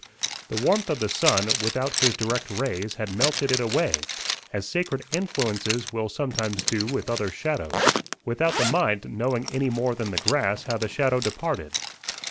The warmth of the sun, without his direct rays, had melted it away, as sacred influences will sometimes do with other shadows, without the mind knowing any more than the grass how the shadow departed.